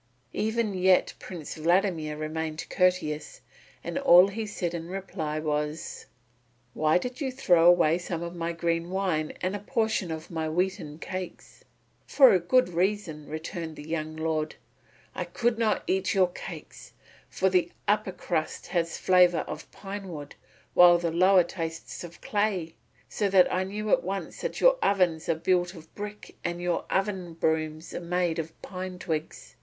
Even yet Prince Vladimir remained courteous, and all he said in reply was: "Why did you throw away some of my green wine and a portion of my wheaten cakes?" "For a good reason," returned the young lord; "I could not eat your cakes, for the upper crust has a flavour of pine wood, while the lower tastes of clay, so that I knew at once that your ovens are built of brick and your oven brooms are made of pine twigs.